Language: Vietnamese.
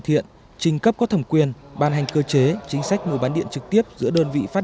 thiện trình cấp có thẩm quyền ban hành cơ chế chính sách mùa bán điện trực tiếp giữa đơn vị phát